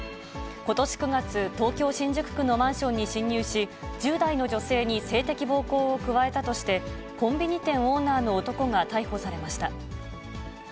ことし９月、東京・新宿区のマンションに侵入し、１０代の女性に性的暴行を加えたとして、コンビニ店オーナーの男が逮捕されました。